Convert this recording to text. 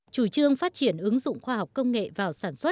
chủ trương phát triển ứng dụng khoa học công nghệ vào sản xuất